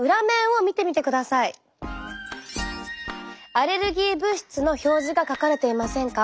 アレルギー物質の表示が書かれていませんか？